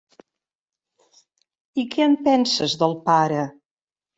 I què en penses del pare?